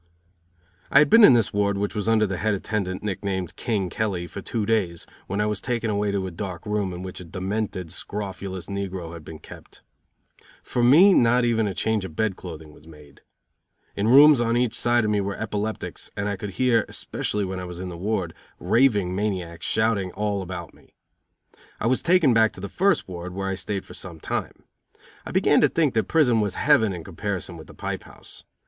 I had been in this ward, which was under the Head Attendant, nick named "King" Kelly, for two days, when I was taken away to a dark room in which a demented, scrofulous negro had been kept. For me not even a change of bed clothing was made. In rooms on each side of me were epileptics and I could hear, especially when I was in the ward, raving maniacs shouting all about me. I was taken back to the first ward, where I stayed for some time. I began to think that prison was heaven in comparison with the pipe house.